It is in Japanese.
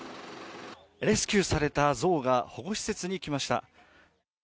レスキューされたゾウが保護施設に来ました。